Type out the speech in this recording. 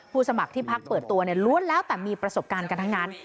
ผู้สมัครที่พักเปิดตัวล้วนแล้วแต่มีประสบการณ์กันทั้งงาน